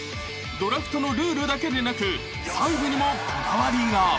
［ドラフトのルールだけでなく細部にもこだわりが］